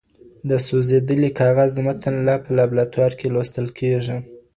د سوزېدلي کاغذ متن په لابراتوار کې لوستل کیږي.